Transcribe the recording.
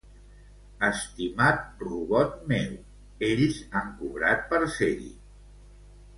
Estimat robot meu, ells han cobrat per ser-hi .